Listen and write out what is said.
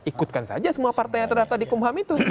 ikutkan saja semua partai yang terdaftar di kumham itu